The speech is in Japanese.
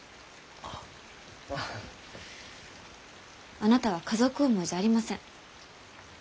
あなたは家族思いじゃありません。